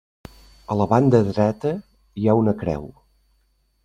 A la banda dreta hi ha una creu.